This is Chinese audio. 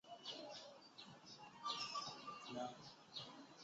伞形科欧芹属的二年生草本。